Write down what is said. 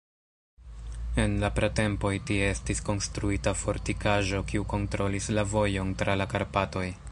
En la pratempoj tie estis konstruita fortikaĵo, kiu kontrolis la vojon tra la Karpatoj.